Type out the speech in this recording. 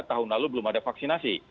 tahun lalu belum ada vaksinasi